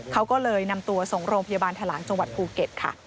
เขาก็เลยนำตัวส่งโรงพยาบาลทะลังจังหวัดภูเก็ตค่ะ